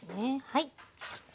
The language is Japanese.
はい。